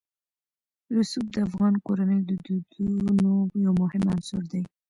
رسوب د افغان کورنیو د دودونو یو مهم عنصر دی.